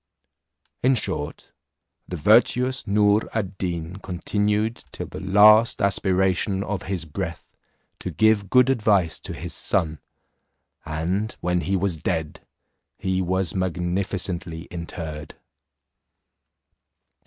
In short, the virtuous Noor ad Deen continued till the last aspiration of his breath to give good advice to his son; and when he was dead he was magnificently interred.